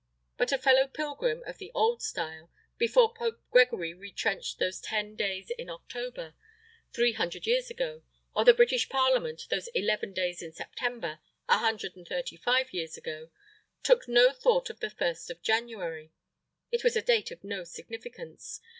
But a fellow pilgrim of the old style, before Pope Gregory retrenched those ten days in October, three hundred years ago, or the British Parliament those eleven days in September, a hundred and thirty five years ago, took no thought of the first of January. It was a date of no significance.